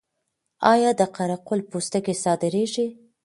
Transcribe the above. آیا د قره قل پوستکي صادریږي؟